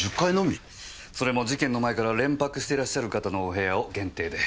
それも事件の前から連泊してらっしゃる方のお部屋を限定で。